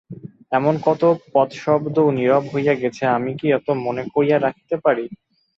এমন কত পদশব্দ নীরব হইয়া গেছে, আমি কি এত মনে করিয়া রাখিতে পারি।